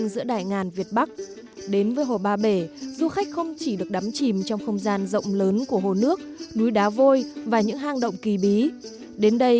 giữ chân bất kỳ du khách nào khi đến đây